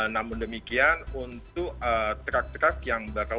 namun demikian untuk trak trak yang beroperasi